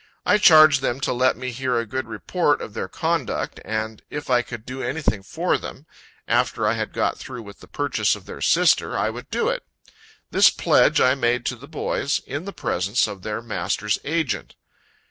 I charged them to let me hear a good report of their conduct; and if I could do anything for them, after I had got through with the purchase of their sister, I would do it. This pledge I made to the boys, in the presence of their master's agent.